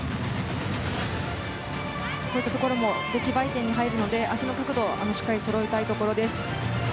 こういったところも出来栄え点に入るので脚の角度しっかりそろえたいところです。